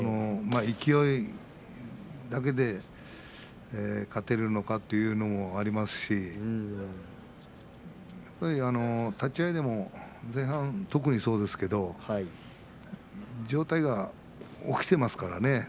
勢いだけで勝てるのかというのもありますしやっぱり立ち合いでも前半、特にそうですけど上体が起きていますからね。